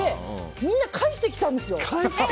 みんな返してきたんですよ。